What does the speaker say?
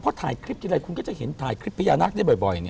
เพราะถ่ายคลิปทีไรคุณก็จะเห็นถ่ายคลิปพญานาคได้บ่อยไง